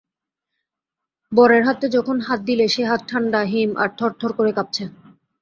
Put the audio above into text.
বরের হাতে যখন হাত দিলে সে হাত ঠাণ্ডা হিম, আর থরথর করে কাঁপছে।